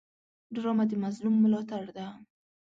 ډرامه د مظلوم ملاتړ ده